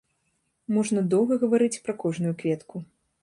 Можна доўга гаварыць пра кожную кветку.